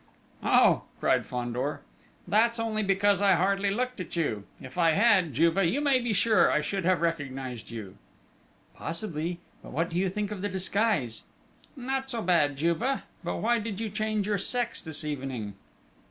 "Oh!" cried Fandor, "that's only because I hardly looked at you. If I had, Juve, you may be sure I should have recognised you!" "Possibly! But what do you think of the disguise?" "Not so bad, Juve; but why did you change your sex this evening?"